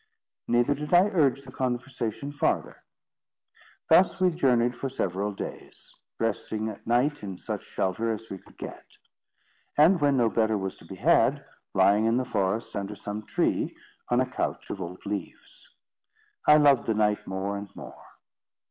Neither did I urge the conversation farther. Thus we journeyed for several days, resting at night in such shelter as we could get; and when no better was to be had, lying in the forest under some tree, on a couch of old leaves. I loved the knight more and more.